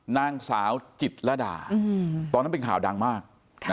นางสาวจิตรดาตอนนั้นเป็นข่าวดังมาก